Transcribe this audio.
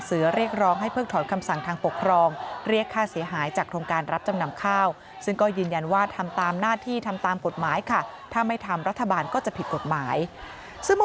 เออแล้วถ้าเราไม่ทำเราผิดไหมล่ะผิดไหม